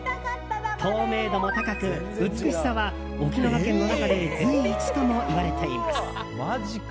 透明度も高く、美しさは沖縄県の中で随一ともいわれています。